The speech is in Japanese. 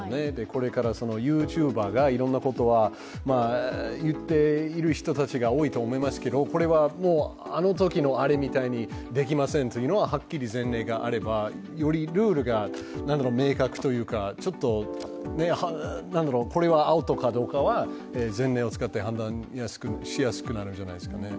これからＹｏｕＴｕｂｅｒがいろんなことを言っている人たちが多いと思いますけどこれはあのときのあれみたいに、できませんというのははっきり前例があればよりルールが明確というか、ちょっとこれはアウトかどうかは前例を使って判断しやすくなるんじゃないですかね。